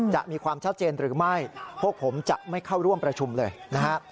จะมีความชัดเจนหรือไม่พวกผมจะไม่เข้าร่วมประชุมเลยนะฮะ